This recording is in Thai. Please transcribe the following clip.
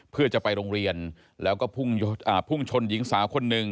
เพื่อจะไปโรงเรียนแล้วก็พุ่งชนหญิงสาวคนหนึ่ง